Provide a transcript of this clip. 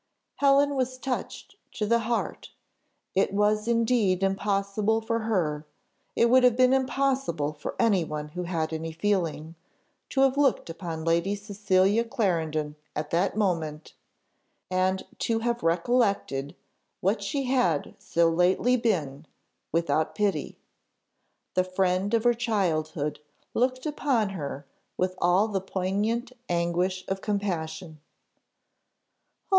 Helen was touched to the heart: it was indeed impossible for her, it would have been impossible for any one who had any feeling, to have looked upon Lady Cecilia Clarendon at that moment, and to have recollected what she had so lately been, without pity. The friend of her childhood looked upon her with all the poignant anguish of compassion "Oh!